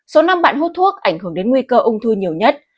số năm bạn hút thuốc ảnh hưởng đến nguy cơ ung thư nhiều nhất